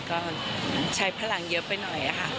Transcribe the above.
ก็ใช้พลังเยอะไปหน่อยค่ะ